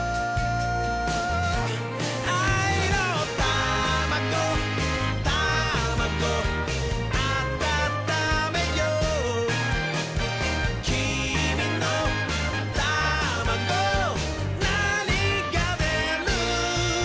「あいのタマゴタマゴあたためよう」「きみのタマゴなにがでる？」